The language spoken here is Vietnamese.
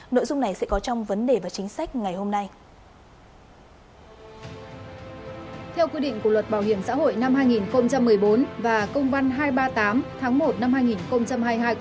nội dung này sẽ có trong vấn đề và chính sách ngày hôm nay